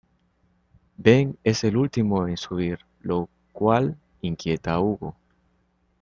Ben es el último en subir, lo cual inquieta a Hugo.